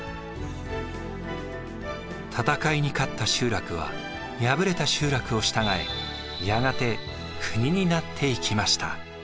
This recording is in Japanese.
戦いに勝った集落は敗れた集落を従えやがて国になっていきました。